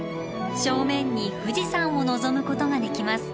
正面に富士山を望むことができます。